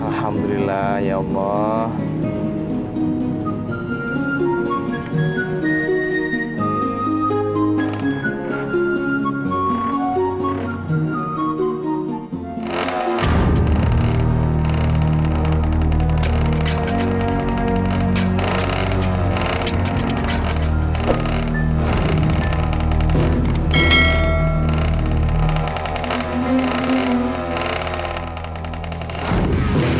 alhamdulillah ya allah